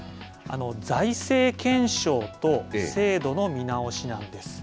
財政検証と制度の見直しなんです。